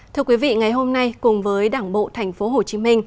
thưa quý vị ngày hôm nay cùng với đảng bộ tp hcm